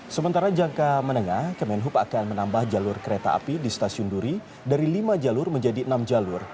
sementara jangka menengah kemenhub akan menambah jalur kereta api di stasiun duri dari lima jalur menjadi enam jalur